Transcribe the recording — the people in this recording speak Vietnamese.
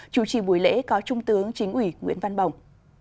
chủ trì buổi lễ có trung tướng chính ủy nguyễn văn bồng